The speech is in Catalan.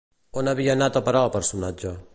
On havia anat a parar el personatge?